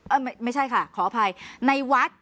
อ่าไม่ไม่ใช่ค่ะขออภัยในวัด